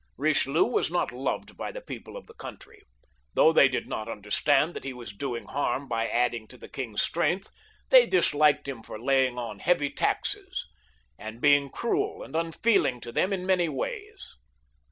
Eichelieu was not loved 328 LOUIS XIII, [CH. by the people of the country ; though they did not under stand that he was doing harm by adding to the king^s strength, they disliked him for laying on heavy taxes, and being cruel and unfeeling to them in many ways.